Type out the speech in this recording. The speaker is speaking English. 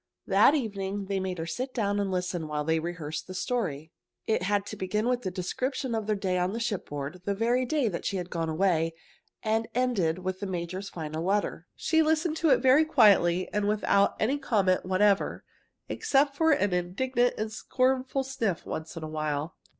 That evening they made her sit down and listen while they rehearsed the story. It had to begin with the description of their day on shipboard, the very day that she had gone away, and ended with the major's final letter. She listened to it all very quietly and without any comments whatever, except for an indignant and scornful sniff once in a while.